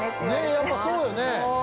やっぱそうよね。